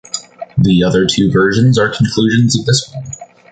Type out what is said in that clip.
The other two versions are conclusions of this one.